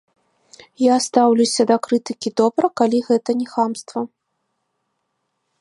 Я стаўлюся да крытыкі добра, калі гэта не хамства.